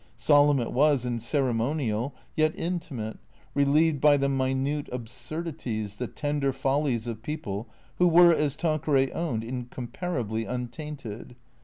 Solemn it was and ceremonial, yet intimate, relieved by the minute absurdities, the tender follies of people who were, as Tanqueray owned, incomparably untainted.